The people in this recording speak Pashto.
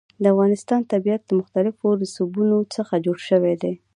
د افغانستان طبیعت له مختلفو رسوبونو څخه جوړ شوی دی.